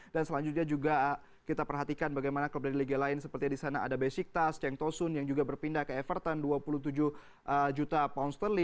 dan selanjutnya juga kita perhatikan bagaimana klub klub dari liga lain seperti disana ada besiktas ceng tosun yang juga berpindah ke everton dua puluh tujuh juta pound